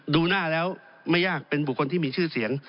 ดูหน้าแล้วไม่ยากเป็นบุคคลที่มีชื่อเสียง